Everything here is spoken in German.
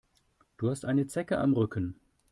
Du hast eine Zecke am Rücken.